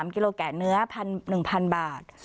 กิโลแกะเนื้อ๑๐๐๐บาท